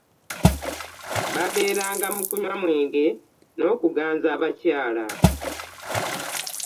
Babeera mu kunywa mwenge n'okuganza abakyala